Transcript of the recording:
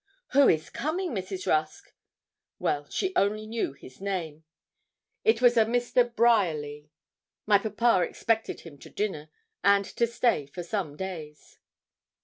'Who is coming, Mrs. Rusk?' Well, she only knew his name. It was a Mr. Bryerly. My papa expected him to dinner, and to stay for some days.